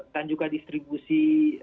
dan juga distribusi